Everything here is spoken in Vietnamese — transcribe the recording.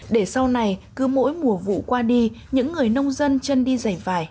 để sau này cứ mỗi mùa vụ qua đi những người nông dân chân đi dày vải